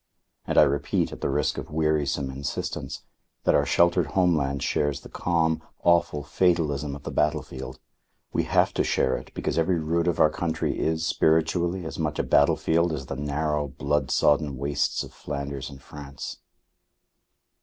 And I repeat, at the risk of wearisome insistence, that our sheltered homeland shares the calm, awful fatalism of the battlefield; we have to share it because every rood of our country is, spiritually, as much a battlefield as the narrow, blood sodden wastes of Flanders and France.